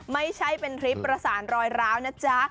ไม่ใช่เป็นทริปประสานรอยร้าวนะจ๊ะ